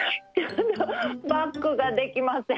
バックができません。